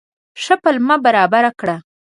ښه پلمه برابره کړه.